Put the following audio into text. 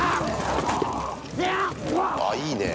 あっ、いいね。